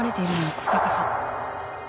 小坂さん。